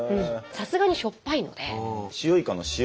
さすがにしょっぱいので。